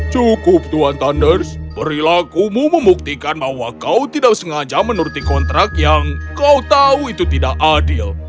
cukup tuan thunders perilakumu membuktikan bahwa kau tidak sengaja menuruti kontrak yang kau tahu itu tidak adil